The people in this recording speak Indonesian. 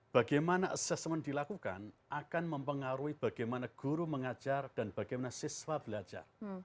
bagaimana assessment dilakukan akan mempengaruhi bagaimana guru mengajar dan bagaimana siswa belajar